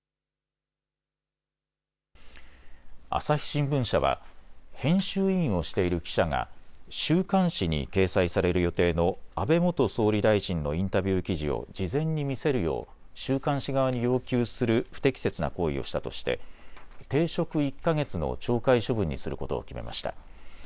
朝日新聞社は編集委員をしている記者が週刊誌に掲載される予定の安倍元総理大臣のインタビュー記事を事前に見せるよう週刊誌側に要求する不適切な行為をしたとして停職１か月の懲戒処分にすることを決めました。